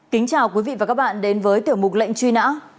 kính chào quý vị và các bạn đến với tiểu mục lệnh truy nã